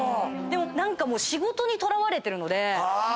何かもう仕事にとらわれてるので。